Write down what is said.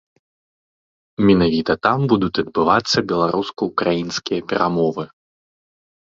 Менавіта там будуць адбывацца беларуска-украінскія перамовы.